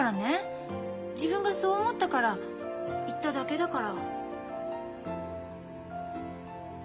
自分がそう思ったから言っただけだから。